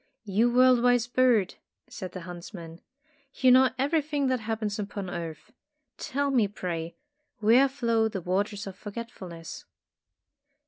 ''You world wise bird," said the hunts man, "you know everything that happens upon earth. Tell me, pray, where flow the Waters of Forgetfulness?"